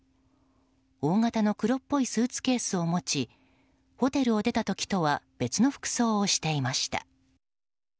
大型の黒っぽいスーツケースを持ちホテルを出た時とは別の服装をしていました。